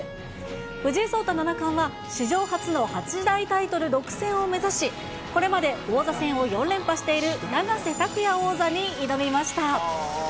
藤井聡太七冠は、史上初の八大タイトル独占を目指し、これまで王座戦を４連覇している永瀬拓矢王座に挑みました。